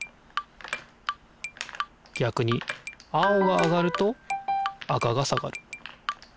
逆に青が上がると赤が下がる。